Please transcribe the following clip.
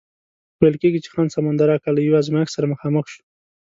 ویل کېږي چې خان سمندر اکا له یو ازمایښت سره مخامخ شو.